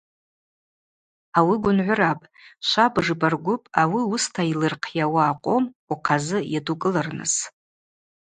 Ауи гвынгӏвырапӏ: швабыж йбаргвыпӏ ауи уыста йлырхъйауа акъом ухъазы йадукӏылырныс.